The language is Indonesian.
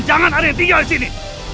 jangan ada yang tinggal di sini